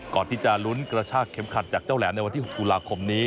ก่อนที่จะลุ้นกระชากเข็มขัดจากเจ้าแหลมในวันที่๖ตุลาคมนี้